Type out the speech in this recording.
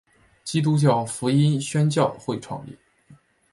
基督教福音宣教会创立。